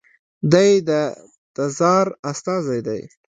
دی د تزار استازی دی.